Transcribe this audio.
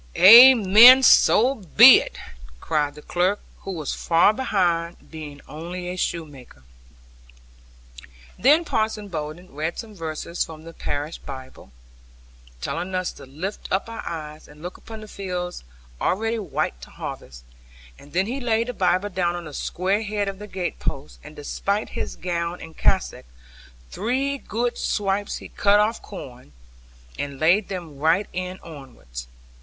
'Amen! So be it!' cried the clerk, who was far behind, being only a shoemaker. Then Parson Bowden read some verses from the parish Bible, telling us to lift up our eyes, and look upon the fields already white to harvest; and then he laid the Bible down on the square head of the gate post, and despite his gown and cassock, three good swipes he cut off corn, and laid them right end onwards.